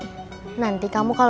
dengan sayangnya karina